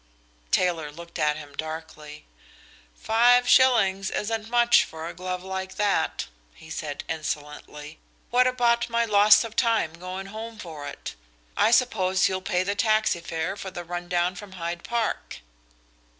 Taylor looked at him darkly. "Five shillings isn't much for a glove like that," he said insolently. "What about my loss of time going home for it? I suppose you'll pay the taxi fare for the run down from Hyde Park?"